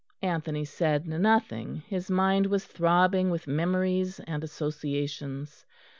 Anthony said nothing. His mind was throbbing with memories and associations.